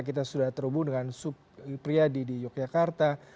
kita sudah terhubung dengan supriyadi di yogyakarta